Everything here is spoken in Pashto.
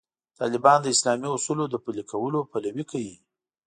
طالبان د اسلامي اصولو د پلي کولو پلوي کوي.